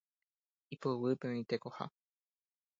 Ipoguýpe oĩ tekoha.